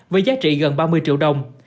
với giá trị gần ba mươi triệu đồng